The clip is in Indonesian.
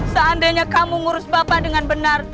seandainya kamu ngurus bapak dengan benar